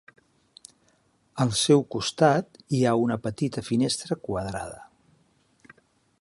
Al seu costat hi ha una petita finestra quadrada.